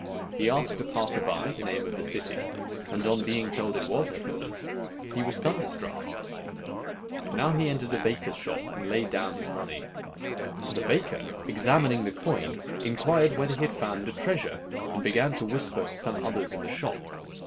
He asked a passer by the name of the city, and on being told it was Ephesus, he was thunderstruck. Now he entered a baker's shop, and laid down his money. The baker, examining the coin, inquired whether he had found a treasure, and began to whisper to some others in the shop.